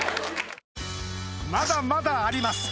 まだまだあります